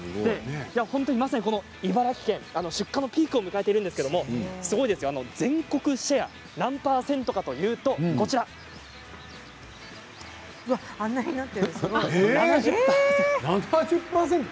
まさに茨城県出荷のピークを迎えているんですけどすごいですよ、全国シェア何％かというとこちらです。